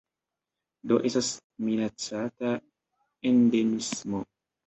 Do estas minacata endemismo.